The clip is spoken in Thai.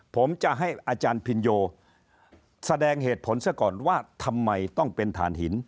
ผมจะให้อาจารย์พินโยแสดงเหตุผลซะก่อนว่าทำไมต้องเป็นฐานหิน